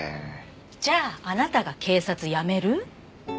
じゃああなたが警察辞める？